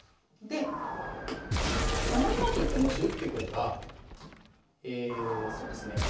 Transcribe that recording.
で７四歩ってもし打ってくればそうですね